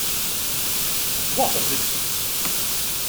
What a nuisance!